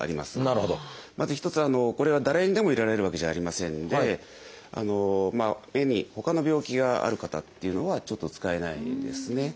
まず一つこれは誰にでも入れられるわけじゃありませんで目にほかの病気がある方っていうのはちょっと使えないですね。